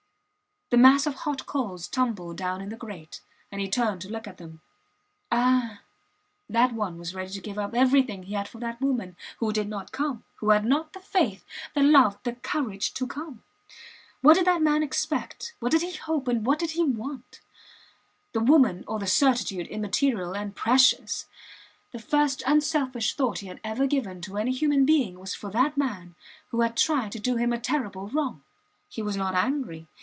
... The mass of hot coals tumbled down in the grate, and he turned to look at them ... Ah! That one was ready to give up everything he had for that woman who did not come who had not the faith, the love, the courage to come. What did that man expect, what did he hope, what did he want? The woman or the certitude immaterial and precious! The first unselfish thought he had ever given to any human being was for that man who had tried to do him a terrible wrong. He was not angry.